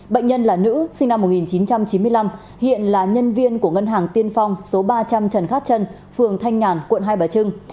bệnh nhân là nữ sinh năm một nghìn chín trăm chín mươi năm hiện là nhân viên của ngân hàng tiên phong số ba trăm linh trần khát trân phường thanh nhàn quận hai bà trưng